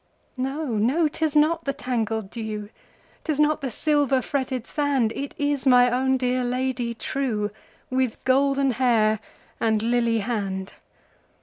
No! no! 'tis not the tangled dew,'Tis not the silver fretted sand, It is my own dear Lady trueWith golden hair and lily hand!